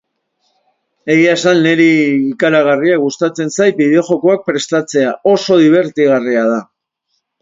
Egia esan niri ikaragarri gustatzen zait bideoak prestatzea, oso dibertigarria da.